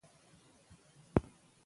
زه د ورځني مهالوېش سره سم تمرین کوم.